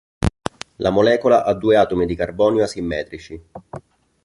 La molecola ha due atomi di carbonio asimmetrici.